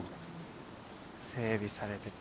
整備されてて。